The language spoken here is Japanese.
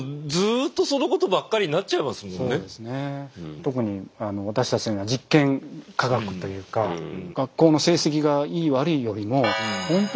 特に私たちのような実験科学というか学校の成績がいい悪いよりも本当に実験が好きかどうか。